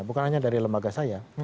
bukan hanya dari lembaga saya